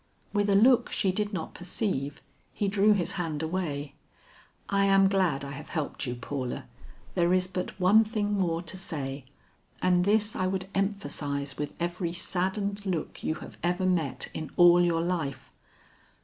With a look she did not perceive, he drew his hand away. "I am glad I have helped you, Paula; there is but one thing more to say, and this I would emphasize with every saddened look you have ever met in all your life.